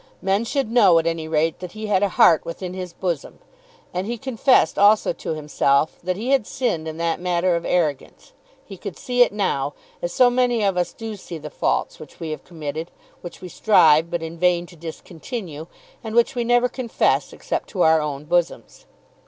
Men should know at any rate that he had a heart within his bosom. And he confessed also to himself that he had sinned in that matter of arrogance. He could see it now, as so many of us do see the faults which we have committed, which we strive, but in vain, to discontinue, and which we never confess except to our own bosoms.